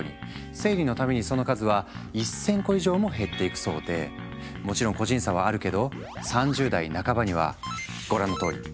生理の度にその数は１，０００個以上も減っていくそうでもちろん個人差はあるけど３０代半ばにはご覧のとおり。